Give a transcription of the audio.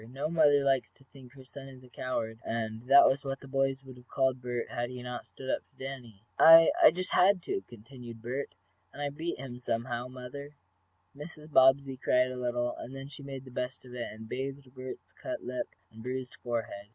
No mother likes to think her son a coward, and that was what the boys would have called Bert had he not stood up to Danny. "I I just had to!" continued Bert. "And I beat him, anyhow, mother." Mrs. Bobbsey cried a little, and then she made the best of it, and bathed Bert's cut lip and bruised forehead.